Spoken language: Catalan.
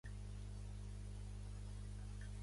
Vaig al carrer d'Isaac Albéniz.